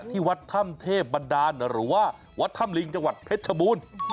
ที่วัดถ้ำเทพบันดาลหรือว่าวัดถ้ำลิงจังหวัดเพชรชบูรณ์